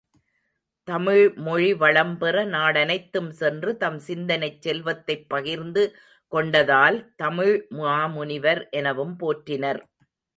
தமிழ்மொழி வளம்பெற நாடனைத்தும் சென்று, தம் சிந்தனைச் செல்வத்தைப் பகிர்ந்து கொண்டதால் தமிழ் மாமுனிவர் எனவும் போற்றினர்.